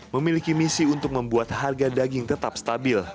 memiliki misi untuk membuat harga daging tetap stabil